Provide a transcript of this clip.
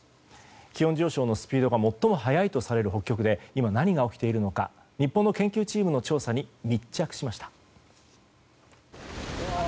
気温上昇のスピードが最も早いとされる北極で今何が起きているのか日本の研究チームの調査に密着しました。